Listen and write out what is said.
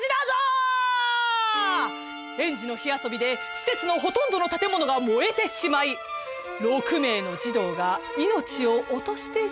園児の火遊びで施設のほとんどの建物が燃えてしまい６名の児童が命を落としてしまったのです。